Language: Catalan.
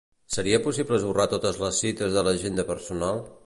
Seria possible esborrar totes les cites de l'agenda personal?